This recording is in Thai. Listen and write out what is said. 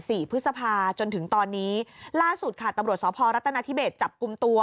พฤษภาจนถึงตอนนี้ล่าสุดค่ะตำรวจสพรัฐนาธิเบสจับกลุ่มตัว